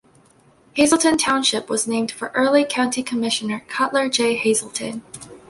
Hazelton Township was named for early county commissioner Cutler J. Hazelton.